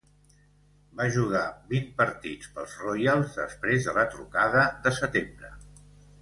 Va jugar vint partits pels Royals després de la trucada de setembre.